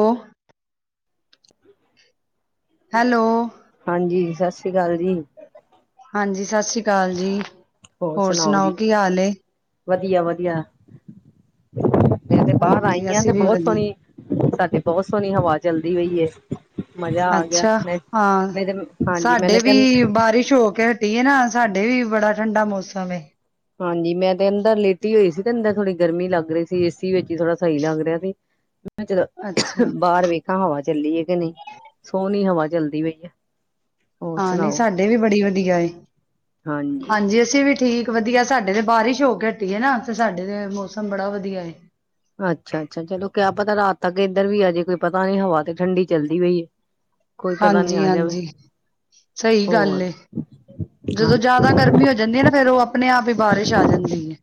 ਹੋ [unintelligible] ਹੈਲੋ ਹਾਂਜੀ, ਸਤਿ ਸ੍ਰੀ ਅਕਾਲ ਜੀ। ਹਾਂਜੀ, ਸਤਿ ਸ਼੍ਰੀ ਅਕਾਲ ਜੀ ਹੋਰ ਸੁਣਾਓ ਕੀ ਹਾਲ ਏ? ਵਧੀਆ- ਵਧੀਆ, ਮੈਂ ਤੇ ਬਾਹਰ ਹਾਂਜੀ ਆਈ ਆ ਅਸੀਂ ਤੇ ਵੀ ਬਹੁਤ ਸੋਹਣੀ ਵਧੀਆ ਸਾਡੇ ਬਹੁਤ ਸੋਹਣੀ ਹਵਾ ਚਲਦੀ ਪਈ ਐ। ਅੱਛਾ, ਹਾਂ ਤੇ ਹਾਂਜੀ ਸਾਡੇ ਮੈਨੇ ਤੇ ਵੀ ਬਾਰਿਸ਼ ਹੋ ਕੇ ਤੇ ਨਾ ਸਾਡੇ ਵੀ ਬੜਾ ਠੰਡਾ ਮੌਸਮ ਏ। ਹਾਂਜੀ ਮੈਂ ਤੇ ਅੰਦਰ ਲੇਟੀ ਹੋਈ ਸੀ ਤੇ ਅੰਦਰ ਥੋੜੀ ਗਰਮੀ ਲੱਗ ਰਹੀ ਸੀ। ਏ ਸੀ ਵਿੱਚ ਈ ਥੋੜਾ ਸਹੀ ਲੱਗ ਰਿਹਾ ਸੀ। ਤੇ ਮੈਂ ਜਰਾ ਅੱਛਾ ਬਾਹਰ ਵੇਖ ਹਵਾ, ਚੱਲੀ ਐ ਕਿ ਨਹੀਂ ਸੋਹਣੀ ਹਵਾ ਚੱਲਦੀ ਪਈ ਐ। ਹਾਂ ਨਈ ਸਾਡੇ ਵੀ ਬੜੀ ਵਧੀਆ ਐ, ਹਾਂਜੀ ਅਸੀਂ ਵੀ ਠੀਕ ਵਧੀਆ ਸਾਡੇ ਤੇ ਬਾਰਿਸ਼ ਹੋ ਕੇ ਹਟੀ ਐ ਨਾ ਤੇ ਸਾਡੇ ਤੇ ਮੌਸਮ ਬੜਾ ਵਧੀਆ ਐ। ਅੱਛਾ- ਅੱਛਾ, ਚਲੋ ਕਿਆ ਪਤਾ ਰਾਤ ਤੱਕ ਇੱਧਰ ਵੀ ਆਜੇ ਕੋਈ ਪਤਾ ਨੀ ਹਵਾ ਤੇ ਠੰਡੀ ਚੱਲਦੀ ਪਈ ਏ। ਹਾਂਜੀ- ਹਾਂਜੀ, ਸਹੀ ਗੱਲ ਹੋਰ ਐ। ਜਦੋਂ ਹਾਂਜੀ ਜਿਆਦਾ ਗਰਮੀ ਹੋ ਜਾਂਦੀ ਐ ਨਾ, ਫਿਰ ਉਹ ਆਪਣੇ - ਆਪ ਈ ਬਾਰਿਸ਼ ਆ ਜਾਂਦੀ ਐ।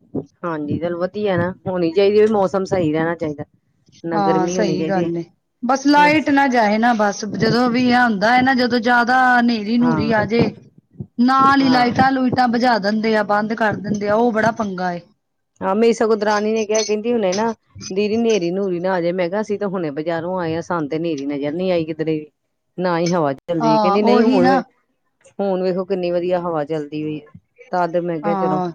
ਹਾਂਜੀ ਚਲੋ ਵਧੀਆ ਨਾ ਹੋਣੀ ਚਾਹੀਦੀ ਐ, ਮੌਸਮ ਸਹੀ ਰਹਿਣਾ ਚਾਹੀਦਾ। ਨਾ ਹਾਂ ਗਰਮੀ ਹੋਣੀ ਸਹੀ ਚਾਹੀਦੀ ਹੈ ਗੱਲ ਐ, ਬਸ ਲਾਈਟ ਨਾ ਜਾਏ ਨਾ ਬਸ ਜਦੋਂ ਵੀ ਹੁੰਦਾ ਐ ਨਾ ਜਦੋਂ ਜ਼ਿਆਦਾ ਨੇਰੀ ਨੂਰੀ ਹਾਂ ਆਜੇ ਨਾਲ ਹੀ ਹਾਂ ਲਾਈਟਾਂ- ਲੂਈਟਾ ਬੁਝਾ ਦਿੰਦੇ ਆ, ਬੰਦ ਕਰ ਦਿੰਦੇ ਆ, ਉਹ ਬੜਾ ਪੰਗਾ ਏ। ਹਾਂ ਮੇਰੀ ਸਗੋ ਦਰਾਣੀ ਨੇ ਕਿਹਾ ਕਹਿੰਦੀ ਹੁਨੇ ਨਾ ਦੀਦੀ ਨੇਰੀ- ਨੂਰੀ ਨਾ ਆ ਜੇ। ਮੈਂ ਕਿਹਾ ਅਸੀ ਤੇ ਹੁਣੇ ਬਜ਼ਾਰੋਂ ਆਏ ਆ ਸਾਨੂੰ ਤੇ ਨੇਰੀ ਨਜ਼ਰ ਨੀ ਆਈ ਕਿੱਧਰੇ ਵੀ ਨਾ ਈ ਹਵਾ ਚੱਲਦੀ ਹਾਂ ਕਹਿੰਦੀ ਨਹੀਂ ਉਹੀ ਨਾ ਹੁਣ- ਹੁਣ ਵੇਖੋ ਕਿੰਨੀ ਵਧੀਆ ਹਵਾ ਚੱਲਦੀ ਪਈ ਐ। ਤਦ ਮੈਂ ਕਿਹਾ ਚਲੋ, ਹਾਂ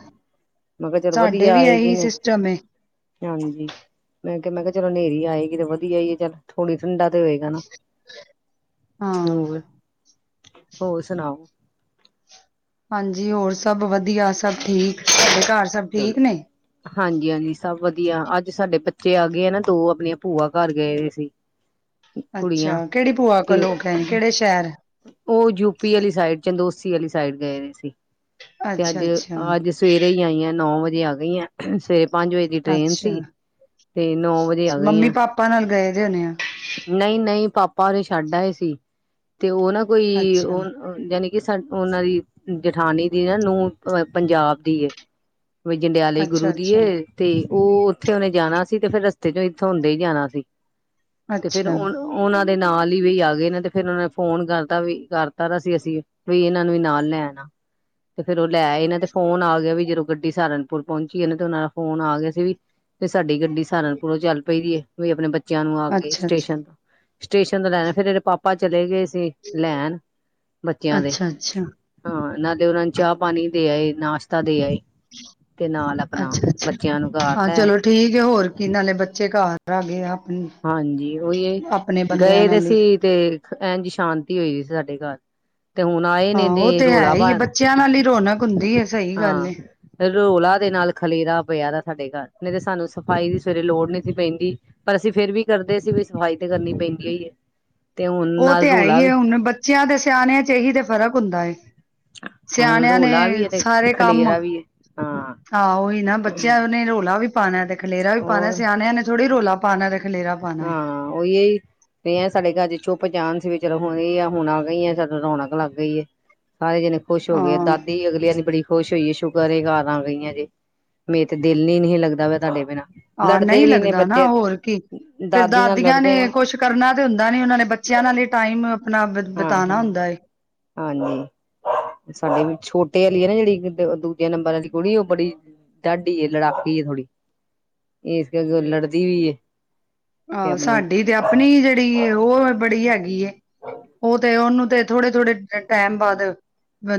ਮੈਂ ਕਿਹਾ ਚਲੋ ਸਾਡੇ ਵਧੀਆ ਵੀ ਆਏਗੀ ਇਹੀ ਨੇ ਸਿਸਟਮ ਏ। ਹਾਂਜੀ, ਮੈਂ ਕਿਹਾ ਮੈਂ ਕਿਹਾ ਚਲੋ ਨੇਰੀ ਆਏਗੀ ਤੇ ਵਧੀਆ ਈ ਐ ਚੱਲ ਥੋੜ੍ਹੀ ਠੰਡਾ ਤੇ ਹੋਏਗਾ ਨਾ, ਹਾਂ ਹੋਰ ਹੋਰ ਸੁਣਾਓ। ਹਾਂਜੀ ਹੋਰ ਸਭ ਵਧੀਆ ਸਭ ਠੀਕ, ਤੁਹਾਡੇ ਘਰ ਸਭ ਠੀਕ ਚਲੋ ਨੇ। ਹਾਂਜੀ -ਹਾਂਜੀ, ਸਭ ਵਧੀਆ ਅੱਜ ਸਾਡੇ ਬੱਚੇ ਆ ਗਏ ਆ ਨਾ ਦੋ ਆਪਣੀਆਂ ਭੂਆ ਘਰ ਗਏ ਵੇ ਸੀ। ਅੱਛਾ, ਕੁੜੀਆਂ ਕਿਹੜੀ ਭੂਆ ਤੇ ਕੋਲ ਹੋਕੇ ਆਏ ਕਿਹੜੇ ਸ਼ਹਿਰ? ਉਹ ਯੂਪੀ ਆਲੀ ਸਾਈਡ ਚੰਦੋਸੀ ਆਲੀ ਸਾਈਡ ਗਏ ਹੋਏ ਸੀ। ਤੇ ਅੱਛਾ ਅੱਜ ਅੱਛਾ -ਅੱਜ ਸਵੇਰੇ ਈ ਆਈ ਆ। ਨੌ ਵਜੇ ਆ ਗਈ ਆ। ਸਵੇਰੇ ਪੰਜ ਵਜੇ ਦੀ ਟ੍ਰੇਨ ਅੱਛਾ। ਸੀ ਤੇ ਨੌ ਵਜੇ ਆ ਗਈ ਮੰਮੀ ਆਂ। ਪਾਪਾ ਨਾਲ ਗਏ ਦੇ ਹੋਣੇ ਆ। ਨਹੀਂ -ਨਹੀਂ ਪਾਪਾ ਉਹਨੂੰ ਛੱਡ ਆਏ ਸੀ ਤੇ ਉਹ ਨਾ ਕੋਈ ਅੱਛਾ ਉਹ ਜਾਣੀ ਕਿ ਉਹਨਾਂ ਦੀ ਜਠਾਨੀ ਦੀ ਨਾ ਨੂੰਹ ਪੰਜਾਬ ਦੀ ਐ। ਕੋਈ ਜੰਡਿਆਲੇ ਅੱਛਾ ਗੁਰੂ ਦੀ ਅੱਛਾ ਐ ਤੇ ਉਹ ਉੱਥੇ ਉਹਨੇ ਜਾਣਾ ਸੀ ਤੇ ਫਿਰ ਰਸਤੇ ਚੋਂ ਇਥੋਂ ਹੁੰਦੇ ਹੀ ਜਾਣਾ ਸੀ। ਤੇ ਫਿਰ ਅੱਛਾ। ਅੱਛਾ ਉਹ ਉਹਨਾਂ ਦੇ ਨਾਲ ਈ ਵੀ ਆ ਗਏ ਨੇ ਤੇ ਫਿਰ ਉਹਨਾਂ ਨੇ ਫੋਨ ਕਰਤਾ ਵੀ ਕਰਤਾ ਤਾਂ ਸੀ ਅਸੀਂ ਵੀ ਇਹਨਾਂ ਨੂੰ ਵੀ ਨਾਲ ਲੈ ਆਣਾ। ਤੇ ਫਿਰ ਉਹ ਲੈ ਆਏ ਨਾ ਤੇ ਫੋਨ ਆ ਗਿਆ ਵੀ ਜਦੋਂ ਗੱਡੀ ਸਹਾਰਨਪੁਰ ਪਹੁੰਚੀ ਇਹ ਨਾ ਤੇ ਉਹਨਾਂ ਦਾ ਫੋਨ ਆ ਗਿਆ ਸੀ ਵੀ ਤੇ ਸਾਡੀ ਗੱਡੀ ਸਹਾਰਨਪੁਰੋਂ ਚੱਲ ਪਈ ਏ। ਕੋਈ ਆਪਣੇ ਬੱਚਿਆਂ ਨੂੰ ਆ ਕੇ ਅੱਛਾ ਸਟੇਸ਼ਨ-ਸਟੇਸ਼ਨ ਤੋਂ ਲੈਣਾ ਫਿਰ ਇਹਦੇ ਪਾਪਾ ਚਲੇ ਗਏ ਸੀ ਲੈਣ ਬੱਚਿਆਂ ਦੇ ਅੱਛਾ, ਅੱਛਾ, ਹਾਂ, ਨਾ ਤੇ ਉਹਨਾਂ ਨੂੰ ਚਾਹ ਪਾਣੀ ਦੇ ਆਏ, ਨਾਸ਼ਤਾ ਦੇ ਆਏ ਤੇ ਨਾਲ ਆਪਣਾ, ਅੱਛਾ, ਅੱਛਾ ਬੱਚਿਆਂ ਨੂੰ ਘਾਰ ਹਾਂ ਲੈ ਐ। ਚਲੋ ਠੀਕ ਏ, ਹੋਰ ਕੀ ਨਾਲੇ ਬੱਚੇ ਘਰ ' [unintelligible] ' ਆਪਣੀ ਹਾਂਜੀ ਉਹੀ ਏ ਆਪਣੇ ਬੰਦਿਆਂ ਗਏ ਦੇ ਨਾਲ ਸੀ ਤੇ ਇੰਝ ਸ਼ਾਂਤੀ ਹੋਈ ਸਾਡੇ ਘਰ ਤੇ ਹੁਣ ਆਏ ਨੇ ਤੇ ਰੌਲਾ ਪਾਇ ਬੱਚੀਆ ਨਾਲ ਈ ਰੌਣਕ ਹੁੰਦੀ ਐ। ਹਾਂ। ਰੌਲਾ ਦੇ ਨਾਲ ਖਲੇਰਾ ਪਿਆ ਦਾ ਸਾਡੇ ਘਰ, ਨਹੀਂ ਤਾਂ ਸਾਨੂੰ ਸਫ਼ਾਈ ਦੀ ਸਵੇਰੇ ਲੋੜ ਨੀ ਸੀ ਪੈਂਦੀ। ਅਸੀਂ ਫਿਰ ਵੀ ਕਰਦੇ ਸੀ ਵੀ ਸਫ਼ਾਈ ਤੇ ਕਰਨੀ ਪੈਂਦੀ ਓਈ ਐ। ਉਹ ਤੇ ਹੈ ਈ ਏ ਹੁਣ ਬੱਚਿਆਂ ਦੇ ਸਿਆਣਿਆਂ 'ਚ' ਇਹੀ ਤੇ ਫ਼ਰਕ ਹੁੰਦਾ ਏ। ਹੁਣ ਸਿਆਣਿਆਂ ਨੇ ਰੌਲਾ ਵੀ ਹੈ ਤੇ ਸਾਰੇ ਕੰਮ ਖਲੇਰਾ ਵੀ ਹੈ ਹਾਂ ਆਹ ਉਹੀ ਨਾ ਬੱਚਿਆਂ ਉਹਨੇ ਰੌਲਾ ਵੀ ਪਾਉਣਾ ਤੇ ਖਲੇਰਾ ਵੀ ਪਾਣਾ, ਹੋਰ ਸਿਆਣਿਆਂ ਨੇ ਥੋੜੀ ਰੋਲਾ ਪਾਣਾ ਤੇ ਖਲੇਰਾ ਪਾਉਣਾ ਹੈ। ਹਾਂ, ਉਹੀ। ਤੇ ਸਾਡੇ ਘਰ ਚੁੱਪ ਜਾਣ ਸੀ ਵੀ ਚਲੋ ਹੁਣ ਆ ਹੁਣ ਆ ਗਈ ਐ, ਸਾਨੂੰ ਰੌਣਕ ਲੱਗ ਗਈਏ। ਸਾਰੇ ਜਣੇ ਖੁਸ਼ ਹੋ ਗਏ ਆ ਹਾਂ, ਦਾਦੀ ਅਗਲਿਆਂ ਦੀ ਬੜੀ ਖੁਸ਼ ਹੋਈ ਏ ਸੁਕਰ ਇਹ ਘਰ ਆ ਗਈ ਜੇ, ਮੇ ਤੇ ਦਿਲ ਨ ਨਹੀਂ ਲੱਗਦਾ ਵ ਤੁਹਾਡੇ ਬਿਨਾ। ਹਾਂ, ਨਹੀਂ ਲੱਗਦਾ ਨਾ ਹੋਰ ਕੀ, ਫਿਰ ਦਾਦੀ ਨਾਲ ਦਾਦੀਆਂ ਨੇ ਲੜਦੇ ਕੋਈ ਵੀ ਕੁਛ ਕਰਨਾ ਤੇ ਹੁੰਦਾ ਨੀ ਉਹਨਾਂ ਨੇ ਬੱਚਿਆਂ ਨਾਲ ਲਈ ਟਾਈਮ ਆਪਣਾ ਹਾਂ ਬਿਤਾਉਣਾ ਹਾਂ ਹੁੰਦਾ ਐ। ਹਾਂਜੀ, ਸਾਡੇ ਵੀ ਛੋਟੇ ਆ ਆਲੀ ਨਾ ਜਿਹੜੀ ਦੂਜੇ ਨੰਬਰ ਵਾਲੀ ਕੁੜੀ ਉਹ ਬੜੀ ਡਾਡੀ ਐ, ਲੜਾਕੀ ਐ ਥੋੜੀ, ਇਸ ਕਰਕੇ ਲੜਦੀ ਵੀ ਏ। ਤੇ ਆਹੋ, ਆਪਣਾ ਸਾਡੀ ਤੇ ਆਪਣੀ ਜਿਹੜੀ ਉਹ ਬੜੀ ਹੈਗੀ ਐਂ। ਉਹ ਤੇ ਉਹਨੂੰ ਤੇ ਥੋੜੇ-ਥੋੜੇ ਟਾਈਮ ਬਾਅਦ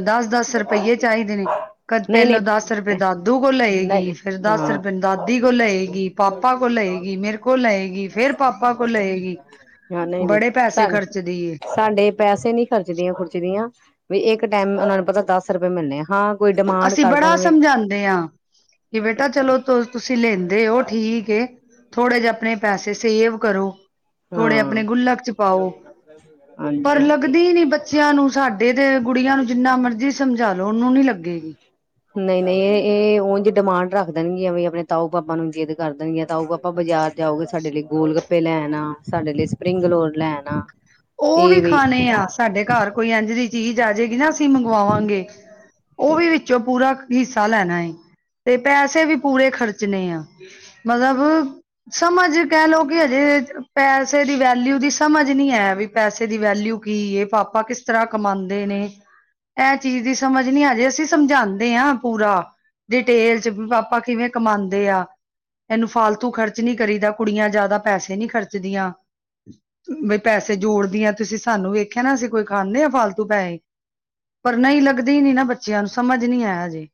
ਦੱਸ। ਦੱਸ ਰੁਪਈਏ ਚਾਹੀਦੇ ਨੇ। ਕੱਦ ਨਹੀਂ ਨਹੀਂ ਪਹਿਲੋਂ ਦੱਸ ਰੁਪਏ ਦਾਦੂ ਕੋਲ ਲਏਗੀ, ਨਹੀਂ ਫਿਰ ਦੱਸ ਹਾਂ ਰੁਪਏ ਦਾਦੀ ਕੋਲ ਲਏਗੀ। ਪਾਪਾ ਕੋਲ ਲਏਗੀ, ਮੇਰੇ ਕੋਲ ਲਏਗੀ। ਫੇਰ ਪਾਪਾ ਕੋਲ ਲਏਗੀ ਹਾਂ ਨਹੀਂ ਨਹੀਂ ਬੜੇ ਪੈਸੇ ਸਾਡੇ ਖਰਚ ਦੀਏ। ਸਾਡੇ ਪੈਸੇ ਨੀ ਖਰਚਦੀਆਂ-ਖੁਰਚਦੀਆਂ ਵੀ ਇੱਕ ਟਾਈਮ ਉਹਨਾਂ ਨੂੰ ਪਤਾ ਦੱਸ ਰੁਪਏ ਮਿਲਣੇ ਆ ਹਾਂ। ਕੋਈ ਡਿਮਾਂਡ ਅਸੀਂ ਕਰ ਬੜਾ ਦੇਣ ਵੀ ਸਮਝਾਦੇ ਹਾਂ ਕਿ ਬੇਟਾ ਚਲੋ ਤੁ ਤੁਸੀਂ ਲੈਂਦੇ ਓ, ਠੀਕ ਏ, ਥੋੜੇ ਜਿਹੇ ਆਪਣੇ ਪੈਸੇ ਸੇਵ ਕਰੋ। ਥੋੜੇ ਹਾਂ ਆਪਣੇ ਗੁੱਲਕ 'ਚ' ਪਾਓ, ਹਾਂਜੀ ਪਰ ਹਾਂਜੀ ਲੱਗਦੀ ਨੀ ਬੱਚ ਬੱਚਿਆਂ ਨੂੰ ਸਾਡੇ ਤੇ ਗੁੜੀਆਂ ਨੂੰ ਜਿੰਨਾ ਮਰਜ਼ੀ ਸਮਝਾਲੋ, ਉਹਨੂੰ ਨੀ ਲੱਗੇਗੀ। ਨਹੀਂ-ਨਹੀਂ, ਇਹ-ਇਹ ਉਝ ਡਿਮਾਂਡ ਰੱਖ ਦੇਣਗੀਆਂ ਵੀ ਆਪਣੇ ਤਾਊ, ਪਾਪਾ ਨੂੰ ਜਿੱਦ ਕਰ ਦੇਣਗੀਆਂ ਤਾਊ, ਪਾਪਾ ਬਾਜ਼ਾਰ ਜਾਓਗੇ ਸਾਡੇ ਲਈ ਗੋਲ-ਗੱਪੇ ਲੈਣ ਆ ਸਾਡੇ ਲਈ ਸਪਰਿੰਗਲੋਰ ਲੈਣ ਆ। ਉਹ ਵੀ ਖਾਣੇ ਆ, ਸਾਡੇ ਘਰ ਕੋਈ ਇੰਝ ਦੀ ਚੀਜ਼ ਆ ਜਾਏਗੀ ਨਾ ਅਸੀਂ ਮੰਗਵਾਵਾਂਗੇ। ਉਹ ਤੇ ਵੀ ਵਿੱਚੋਂ ਪੂਰਾ ਹਿੱਸਾ ਲੈਣਾ ਏ, ਤੇ ਪੈਸੇ ਵੀ ਪੂਰੇ ਖਰਚਣੇ ਆ। ਮਤਲਬ। ਸਮਝ ਕਹਿ ਲੋਓ, ਕਿ ਹਜੇ ਪੈਸੇ ਦੀ ਵੈਲਿਊ ਦੀ ਸਮਝ ਨੀ ਐ ਵੀ। ਪੈਸੇ ਦੀ ਵੈਲਿਊ ਕੀ ਏ ਪਾਪਾ ਕਿਸ ਤਰ੍ਹਾਂ ਕਮਾਉਂਦੇ ਨੇ। ਐ ਚੀਜ਼ ਦੀ ਸਮਝ ਨੀ ਆਜੇ, ਅਸੀਂ ਸਮਝਾਉਦੇ ਆ ਪੂਰਾ। ਡਿਟੇਲ 'ਚ' ਵੀ ਪਾਪਾ ਕਿਵੇਂ ਕਮਾਂਦੇ ਆ। ਇਹਨੂੰ ਫਾਲਤੂ ਖਰਚ ਨਹੀਂ ਕਰੀਦਾ, ਕੁੜੀਆਂ ਜ਼ਿਆਦਾ ਪੈਸੇ ਨੀ ਖਰਚਦੀਆਂ। ਬਈ ਪੈਸੇ ਜੋੜਦੀ ਆ, ਤੁਸੀਂ ਸਾਨੂੰ ਵੇਖਿਆ ਨਾ ਅਸੀਂ ਕੋਈ ਖਾਂਦੇ ਆ ਫਾਲਤੂ ਪੈਸੇ। ਪਰ ਨਹੀਂ ਲੱਗਦੀ ਨੀ ਨਾ ਬੱਚਿਆਂ ਨੂੰ ਸਮਝ ਨੀ ਅਜੇ।